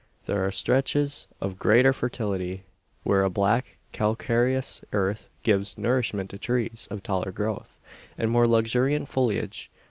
There are stretches of greater fertility; where a black calcareous earth gives nourishment to trees of taller growth, and more luxuriant foliage.